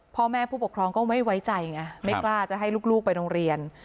พ่อแม่ผู้ปกครองก็ไม่ไว้ใจไงไม่กล้าจะให้ลูกไปโรงเรียน